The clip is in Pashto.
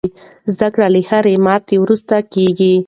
زده کړه له هرې ماتې وروسته کېږي.